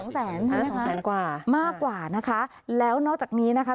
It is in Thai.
๒เสนกว่านะคะแล้วนอกจากนี้นะค่ะ